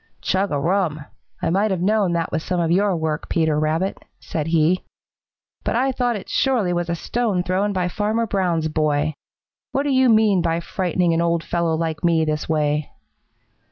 "Chug a rum! I might have known that that was some of your work, Peter Rabbit," said he, "but I thought it surely was a stone thrown by Farmer Brown's boy. What do you mean by frightening an old fellow like me this way?"